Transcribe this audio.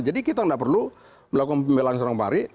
jadi kita tidak perlu melakukan pembelahan seorang pari